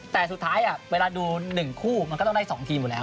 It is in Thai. แต่สุดท้ายเวลาดู๑คู่มันก็ต้องได้๒ทีมอยู่แล้ว